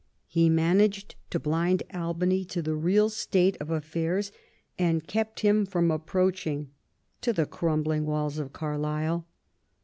He managed to blind Albany to the real state of affairs, and kept him from approaching to the crumbling walls of Carlisle.